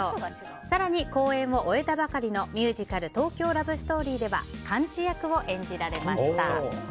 更に、公演を終えたばかりのミュージカル「東京ラブストーリー」ではカンチ役を演じられました。